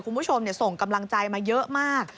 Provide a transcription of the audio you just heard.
คุณผู้ชมส่งกำลังใจมาเยอะมาก